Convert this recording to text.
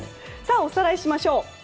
おさらいしましょう。